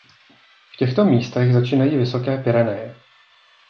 V těchto místech začínají "Vysoké Pyreneje".